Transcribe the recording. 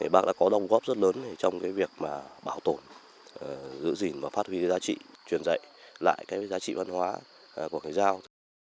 bác đã có đồng góp rất lớn trong việc bảo tồn giữ gìn và phát huy giá trị truyền dạy lại cái giá trị văn hóa của thầy giao